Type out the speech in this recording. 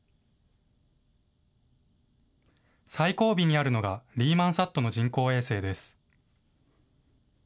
最後尾にあるのがリーマンサットの人工衛星です。